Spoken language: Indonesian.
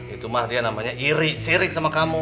itu mah dia namanya iri sirik sama kamu